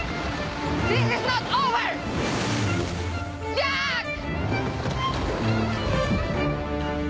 ジャック！